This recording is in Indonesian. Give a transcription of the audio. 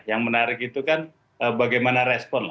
yang menarik itu kan bagaimana respon